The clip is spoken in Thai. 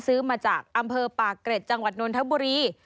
ซื้อมาจากอำเภอปากเกร็ดจังหวัดนทบุรี